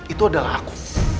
itu adalah aku